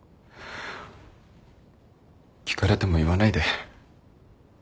聞かれても言わないで。